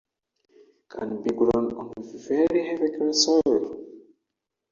Can be grown on very heavy clay soil.